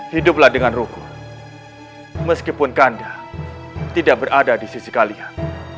hiduplah dengan rukun meskipun kanda tidak berada di sisi kalian